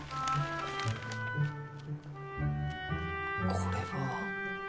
これは。